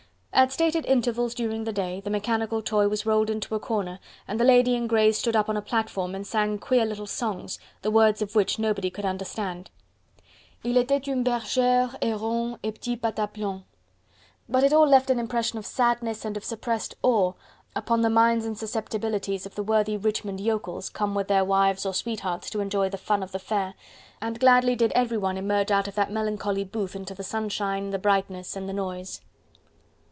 At stated intervals during the day, the mechanical toy was rolled into a corner, and the lady in grey stood up on a platform and sang queer little songs, the words of which nobody could understand. "Il etait une bergere et ron et ron, petit patapon...." But it all left an impression of sadness and of suppressed awe upon the minds and susceptibilities of the worthy Richmond yokels come with their wives or sweethearts to enjoy the fun of the fair, and gladly did everyone emerge out of that melancholy booth into the sunshine, the brightness and the noise.